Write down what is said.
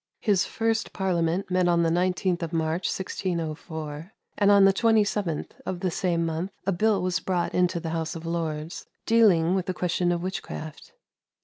His first parliament met on the 19th of March, 1604, and on the 27th of the same month a bill was brought into the House of Lords dealing with the question of witchcraft.